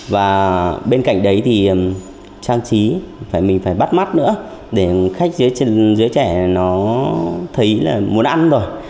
và bên cạnh đấy thì trang trí mình phải bắt mắt nữa để khách dưới trẻ thấy là muốn ăn rồi